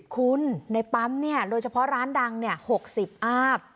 คุณในปั๊มเนี่ยโดยเฉพาะร้านดังเนี่ย๖๐อาบ